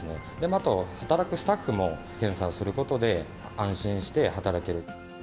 あと、働くスタッフも検査をすることで、安心して働ける。